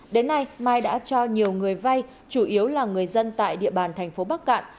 đến nay mai đã cho nhiều người vai chủ yếu là người dân tại địa bàn tp bắc cạn